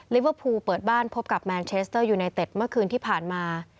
เวอร์พูลเปิดบ้านพบกับแมนเชสเตอร์ยูไนเต็ดเมื่อคืนที่ผ่านมา